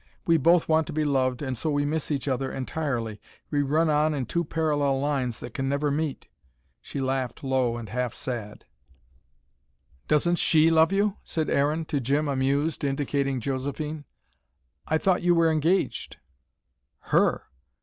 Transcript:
"We both want to be loved, and so we miss each other entirely. We run on in two parallel lines, that can never meet." She laughed low and half sad. "Doesn't SHE love you?" said Aaron to Jim amused, indicating Josephine. "I thought you were engaged." "HER!"